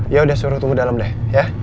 yaudah suruh tunggu di dalam deh ya